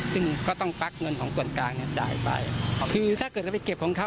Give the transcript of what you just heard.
ซึ่งก็ต้องฟักเงินของส่วนกลางเนี่ยจ่ายไปคือถ้าเกิดเราไปเก็บของเขา